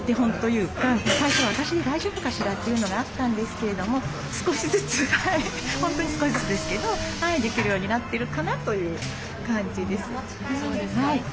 最初私大丈夫かしらというのがあったんですけれども少しずつ本当に少しずつですけどできるようになってるかなという感じです。